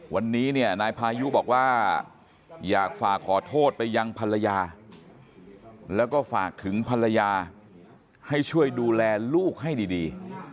วันนี้เนี่ยนายพายุบอกว่าอยากฝากขอโทษไปยังภรรยาแล้วก็ฝากถึงภรรยาให้ช่วยดูแลลูกให้ดี